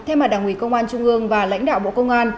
theo mặt đảng quỳ công an trung ương và lãnh đạo bộ công an